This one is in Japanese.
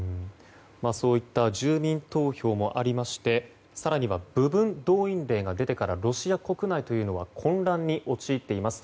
そういった住民投票もありまして更には部分動員令が出てからロシア国内は混乱に陥っています。